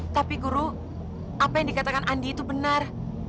tapi guru apa yang dikatakan andi itu benar